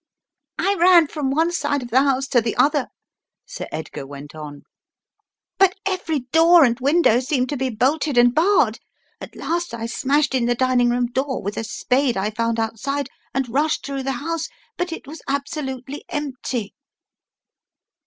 "I ran from one side of the house to the other," Sir Edgar went on. "But every door and window 96 The Riddle of the Purple Emperor seemed to be bolted and barred. At last I smashed in the dining room door with a spade I found outside and rushed through the house, but it was absolutely empty!